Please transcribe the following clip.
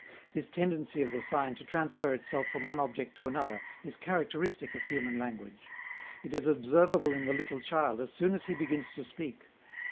This tendency of the sign to transfer itself from one object to another is characteristic of human language. It is observable in the little child as soon as he begins to speak.